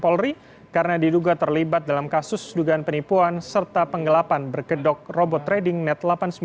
polri karena diduga terlibat dalam kasus dugaan penipuan serta penggelapan berkedok robot trading net delapan puluh sembilan